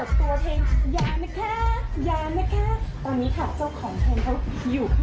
สวัสดีค่ะคุณผู้ชมค่ะวันนี้ฮาปัสพามาถึงจากกันอยู่ที่ยา